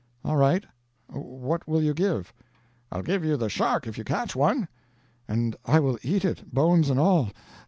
"All right, what will you give?" "I'll give you the shark, if you catch one." "And I will eat it, bones and all.